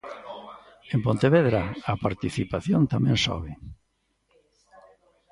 En Pontevedra a participación tamén sobe.